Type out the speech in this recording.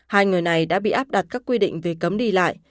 hai người này đã bị áp đặt các quy định về cấm đi lại